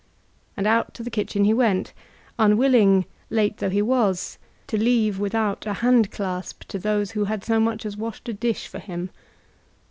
And out to the kitchen he went, unwilling, late though he was, to leave without a hand clasp to those who had so much as washed a dish for him.